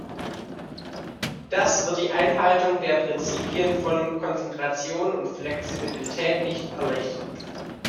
Das wird die Einhaltung der Prinzipien von Konzentration und Flexibilität nicht erleichtern.